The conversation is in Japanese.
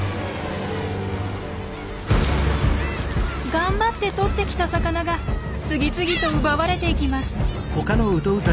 がんばってとってきた魚が次々と奪われていきます。